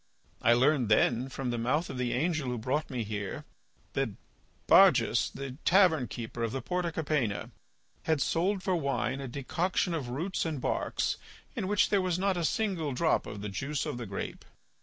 I learned then from the mouth of the angel who brought me here, that Barjas, the tavern keeper of the Porta Capena, had sold for wine a decoction of roots and barks in which there was not a single drop of the juice of the grape.